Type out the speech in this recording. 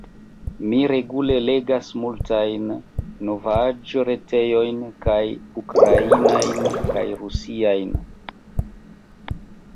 Mi regule legas multajn novaĵ-retejojn, kaj ukrainiajn, kaj rusiajn.